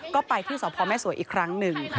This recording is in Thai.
ก็ไปที่สพแม่สวยอีกครั้งหนึ่ง